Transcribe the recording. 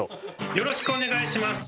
よろしくお願いします。